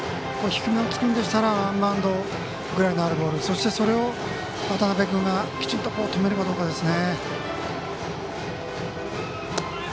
低めをつくんですからワンバウンドくらいのそれを渡辺君がきちんと止めれるかどうかですね。